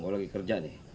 gua lagi kerja nih